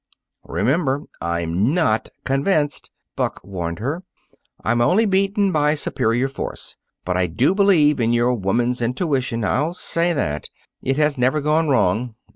"Remember, I'm not convinced," Buck warned her; "I'm only beaten by superior force. But I do believe in your woman's intuition I'll say that. It has never gone wrong.